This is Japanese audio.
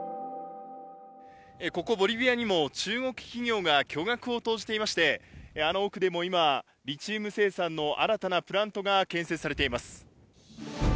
ここボリビアにも中国企業が巨額を投じていまして、あの奥でも今、リチウム生産の新たなプラントが建設されています。